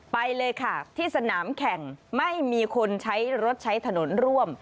ไปเลยค่ะที่สนามแข่งไม่มีคนใช้รถใช้ถนนร่วม